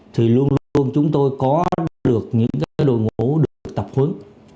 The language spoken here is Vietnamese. thì luôn luôn chúng tôi có được những cái đôi ngũ được tập hướng